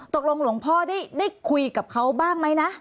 ตกลงหลวงพ่อได้คุยกับเค้าบ้างมั้ยนะ